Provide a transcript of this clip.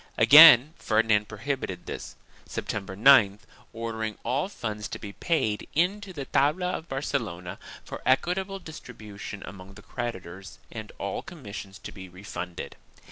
Again Ferdinand prohibited this, September 9th, ordering all funds to be paid in to the tabla of Barcelona, for equitable distribution among the creditors and all commissions to be refunded.